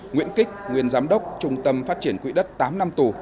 nguyễn kích nguyên giám đốc trung tâm phát triển quỹ đất tám năm tù